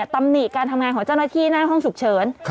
ตำหนิการทำงานของเจ้าหน้าที่หน้าห้องฉุกเฉิน